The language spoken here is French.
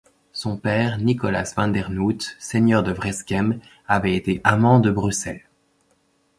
Son père, Nicolas van der Noot, seigneur de Vreschem, avait été amman de Bruxelles.